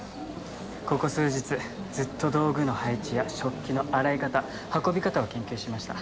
ここ数日ずっと道具の配置や食器の洗い方運び方を研究しました。